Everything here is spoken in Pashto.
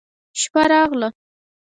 شپه راغله.